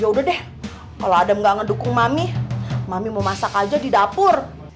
ya udah deh kalau adem gak ngedukung mami mami mau masak aja di dapur